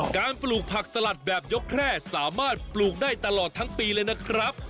ปลูกผักสลัดแบบยกแคร่สามารถปลูกได้ตลอดทั้งปีเลยนะครับ